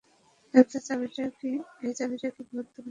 এই চাবিটা কি গুরুত্বপূর্ণ কিছু ছিলো?